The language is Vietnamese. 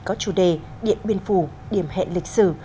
có chủ đề điện biên phủ điểm hẹn lịch sử